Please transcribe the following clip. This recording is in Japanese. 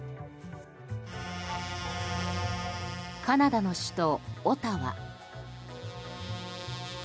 カナダの首都オタワ。